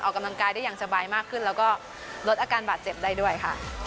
ออกกำลังกายได้อย่างสบายมากขึ้นแล้วก็ลดอาการบาดเจ็บได้ด้วยค่ะ